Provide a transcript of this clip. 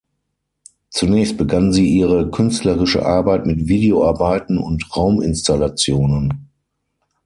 Zunächst begann sie ihre künstlerische Arbeit mit Videoarbeiten und Rauminstallationen.